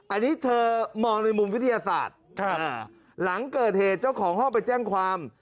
อันนี้เธอมองในมุมวิทยาศาสตร์หลังเกิดเหตุเจ้าของห้องไปแจ้งความ